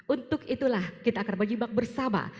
untuk itulah kita akan menyimak bersama